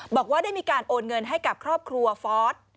บอกว่าได้มีการโอนเงินให้กับครอบครัวฟอส